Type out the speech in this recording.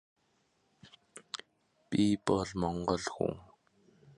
It announces the foundation of the Union of South American Nations.